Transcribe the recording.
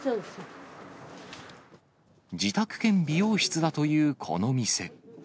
自宅兼美容室だというこの店。